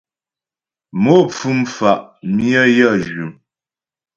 Mo pfú mfà' myə yə jʉm.